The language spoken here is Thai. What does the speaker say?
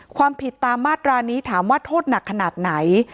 ความผิดตามมาตรานี้ถามว่าโทษหนักขนาดไหน